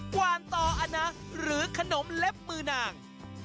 กวานต่ออนะหรือขนมเล็บมือนาง